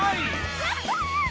やった！